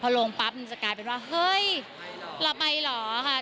ลงปั๊บมันจะกลายเป็นว่าเฮ้ยเราไปเหรอค่ะ